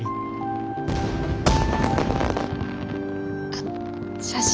あっ写真。